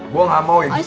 gue gak mau ya